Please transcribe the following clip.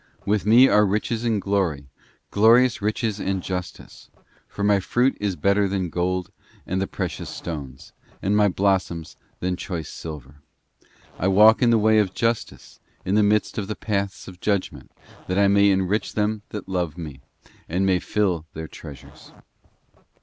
... With me are riches and glory, glorious riches and justice. For my fruit is better than gold and the precious stone, and my blossoms than choice silver. I walk in the way of justice, in the midst of the paths of judgment, that I may enrich them that love me, and may fill their treasures.